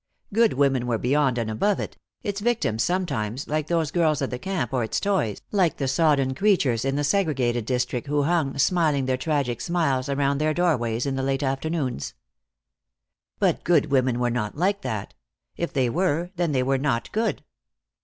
Good women were beyond and above it, its victims sometimes, like those girls at the camp, or its toys, like the sodden creatures in the segregated district who hung, smiling their tragic smiles, around their doorways in the late afternoons. But good women were not like that. If they were, then they were not good.